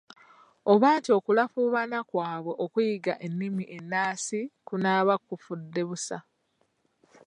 Oba nti okulafuubana kwabwe okuyiga ennimi ennansi kunaaba kufudde busa.